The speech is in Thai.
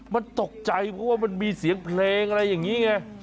มันตกใจเพราะว่ามันมีเสียงเพลงอะไรอย่างนี้ไง